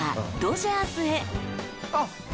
あっ！